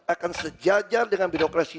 akan sejajar dengan birokrasi